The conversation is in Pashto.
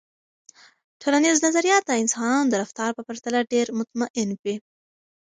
ټولنیز نظریات د انسانانو د رفتار په پرتله ډیر مطمئن وي.